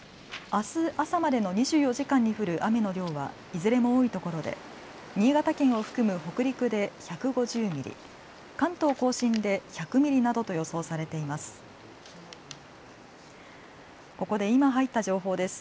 明日朝までの２４時間に降る雨の量はいずれも多いところで新潟県を含む北陸で１５０ミリ関東・甲信で１００ミリなどと予想されています。